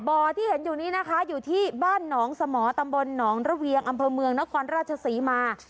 ที่เห็นอยู่นี้นะคะอยู่ที่บ้านหนองสมอตำบลหนองระเวียงอำเภอเมืองนครราชศรีมา